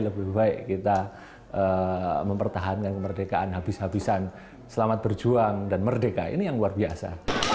lebih baik kita mempertahankan kemerdekaan habis habisan selamat berjuang dan merdeka ini yang luar biasa